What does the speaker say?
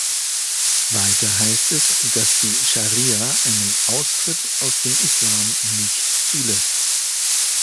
Weiter heißt es, dass die Schari'a einen Austritt aus dem Islam nicht zulässt.